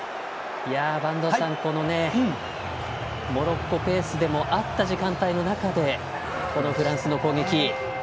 播戸さん、モロッコペースでもあった時間帯の中でこのフランスの攻撃。